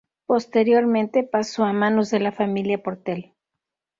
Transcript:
Posteriormente pasó a manos de la familia Portell.